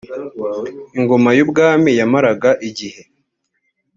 ingoma y’ ubwami yamaraga igihe.